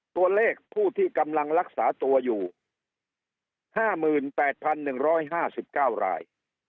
ตัวเลขผู้ที่กำลังรักษาตัวอยู่๕๘๑๕๙ราย